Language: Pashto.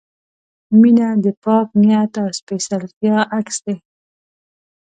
• مینه د پاک نیت او سپېڅلتیا عکس دی.